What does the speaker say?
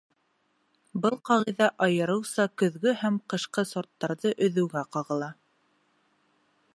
Был ҡағиҙә айырыуса көҙгө һәм ҡышҡы сорттарҙы өҙөүгә ҡағыла.